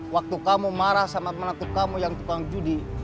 waktu kamu marah sama menakut kamu yang tukang judi